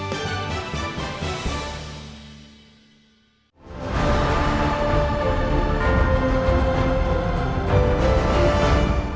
hẹn gặp lại